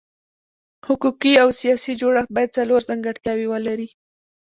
حقوقي او سیاسي جوړښت باید څلور ځانګړتیاوې ولري.